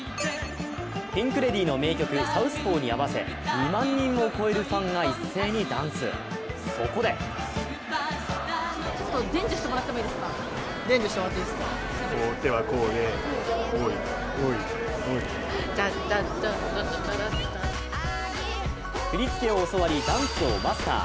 ピンク・レディーの名曲「サウスポー」に合わせ２万人を超えるファンが一斉にダンス、そこで振り付けを教わりダンスをマスター。